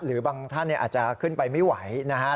หรือบางท่านอาจจะขึ้นไปไม่ไหวนะครับ